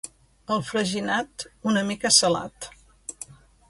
El freginat, una mica salat.